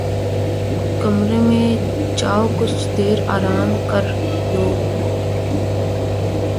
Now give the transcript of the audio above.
کمرے میں جاؤ کچھ دیر آرام کر لوں لو